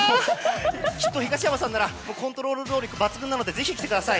きっと東山さんならコントロール能力が抜群なのでぜひ来てください。